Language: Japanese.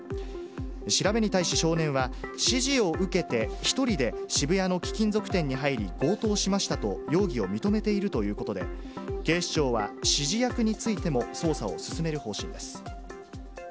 調べに対し少年は、指示を受けて、１人で渋谷の貴金属店に入り強盗しましたと、容疑を認めているということで、警視庁は、指示役についても捜査を進める方針です。